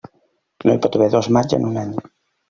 No hi pot haver dos maigs en un any.